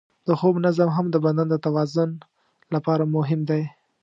د خوب نظم هم د بدن د توازن لپاره مهم دی.